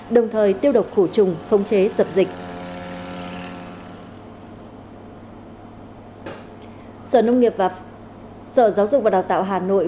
sở nông nghiệp và sở giáo dục và đào tạo hà nội